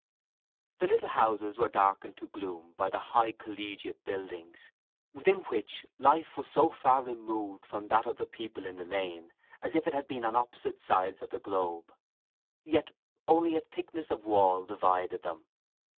The little houses were darkened to gloom by the high collegiate buildings, within which life was so far removed from that of the people in the lane as if it had been on opposite sides of the globe; yet only a thickness of wall divided them.